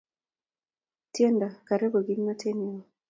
tiendo karibu kimnatet neoo